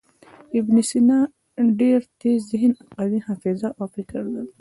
ابن سینا ډېر تېز ذهن، قوي حافظه او فکر درلود.